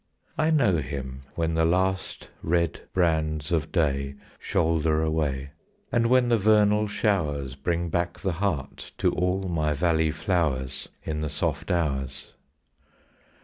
I know him when the last red brands of day Smoulder away, And when the vernal showers Bring back the heart to all my valley flowers In the soft hours.